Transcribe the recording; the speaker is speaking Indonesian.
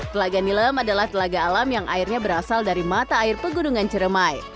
telaga nilem adalah telaga alam yang airnya berasal dari mata air pegunungan ciremai